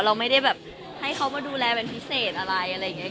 แต่เราไม่ได้ให้เขามาดูแลเป็นประเสร็จอะไรอะไรอย่างเงี้ย